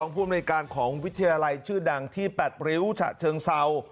พวงพรุ่งอเมริกาของวิทยาลัยชื่อดังที่๘ริวจะเชิงเซา